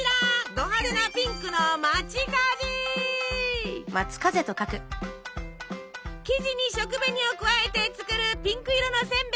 ド派手なピンクの生地に食紅を加えて作るピンク色のせんべいなの。